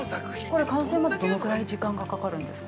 これ完成まで、どのぐらい時間がかかるんですか。